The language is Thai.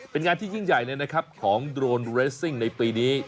เป็นงานที่ยิ่งใหญ่เลยนะครับของโดรนรูเรสซิ่งในปีนี้